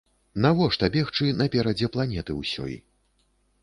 Навошта бегчы наперадзе планеты ўсёй?